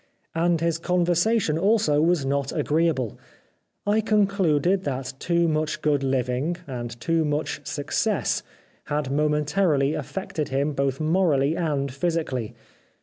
And his conversation also was not agreeable. I concluded that too much good living, and too much success had momen tarily affected him both morally and physically.